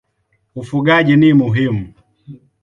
Ufugaji ni muhimu.